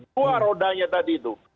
dua rodanya tadi itu